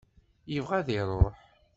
Yebɣa ad iruḥ.